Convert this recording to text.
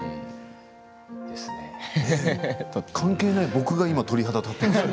関係ない僕が鳥肌立っています。